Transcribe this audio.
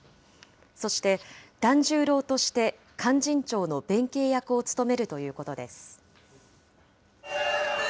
そして團十郎として勧進帳の弁慶役を務めるということです。